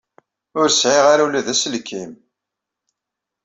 Ur sɛiɣ ara ula d aselkim.